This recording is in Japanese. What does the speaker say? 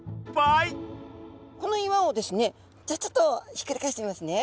この岩をですねじゃあちょっとひっくり返してみますね。